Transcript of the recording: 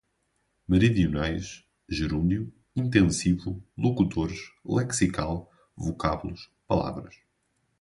meridionais, gerúndio, intensivo, locutores, lexical, vocábulos, palavras